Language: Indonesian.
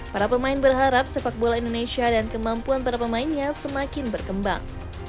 para pemain berharap sepak bola indonesia dan kemampuan para pemainnya semakin berkembang